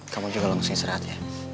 kamu juga langsung istirahat ya